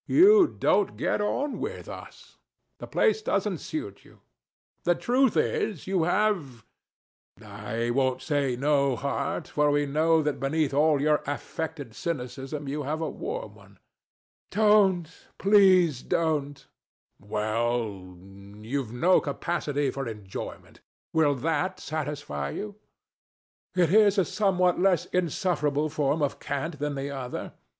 You don't get on with us. The place doesn't suit you. The truth is, you have I won't say no heart; for we know that beneath all your affected cynicism you have a warm one. DON JUAN. [shrinking] Don't, please don't. THE DEVIL. [nettled] Well, you've no capacity for enjoyment. Will that satisfy you? DON JUAN. It is a somewhat less insufferable form of cant than the other.